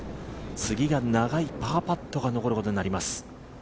次が長いパーパットが残ることになります。